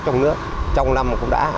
trong nước trong năm cũng đã